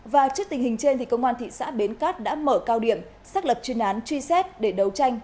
và trước tình hình trên công an thị xã bến cát đã mở cao điểm xác lập chuyên án truy xét để đấu tranh